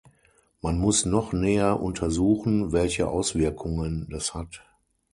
Man muss noch näher untersuchen, welche Auswirkungen das hat.